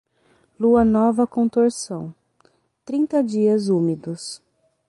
Lua nova com torção, trinta dias úmidos.